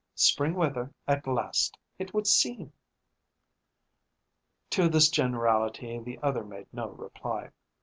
Spring weather at last, it would seem." To this generality the other made no reply.